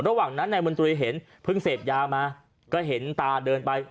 ระหว่างนั้นนายมนตรีเห็นเพิ่งเสพยามาก็เห็นตาเดินไป